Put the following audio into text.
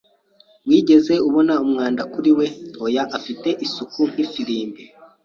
"Wigeze ubona umwanda kuri we?" "Oya, afite isuku nk'ifirimbi."